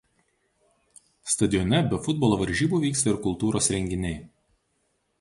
Stadione be futbolo varžybų vyksta ir kultūros renginiai.